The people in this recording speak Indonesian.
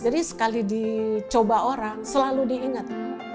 jadi sekali dicoba orang selalu diingat